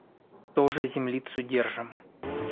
Тоже землицу держим.